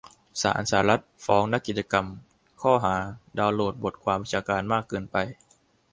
ศาลสหรัฐฟ้องนักกิจกรรมช้อหา "ดาวน์โหลดบทความวิชาการมากเกินไป"